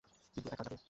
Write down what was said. কিন্তু একা যাবে।